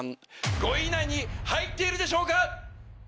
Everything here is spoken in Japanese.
５位以内に入っているでしょうか